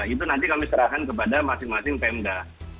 itu nanti kami serahkan kepada masing masing pemda